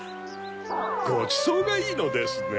ごちそうがいいのですね？